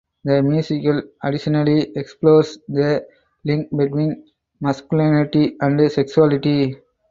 The musical additionally explores the link between masculinity and sexuality.